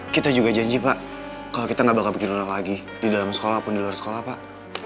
kita juga janji pak kalau kita nggak bakal bikin orang lagi di dalam sekolah pun di luar sekolah pak